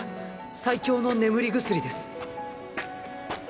最強の眠り薬です。